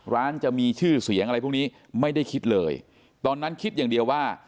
ร้านจะมีชื่อเสียงอะไรพวกนี้ไม่ได้คิดเลยตอนนั้นคิดอย่างเดียวว่า